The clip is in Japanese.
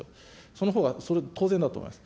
そのほうが当然だと思います。